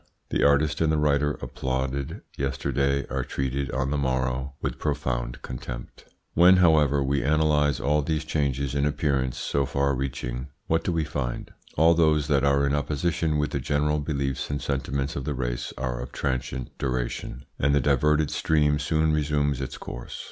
The artist and the writer applauded yesterday are treated on the morrow with profound contempt. When, however, we analyse all these changes in appearance so far reaching, what do we find? All those that are in opposition with the general beliefs and sentiments of the race are of transient duration, and the diverted stream soon resumes its course.